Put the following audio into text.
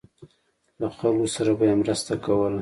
له خلکو سره به یې مرسته کوله.